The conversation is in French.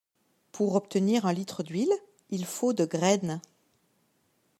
Pour obtenir un litre d’huile, il faut de graines.